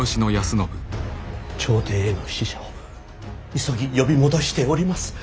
朝廷への使者を急ぎ呼び戻しております。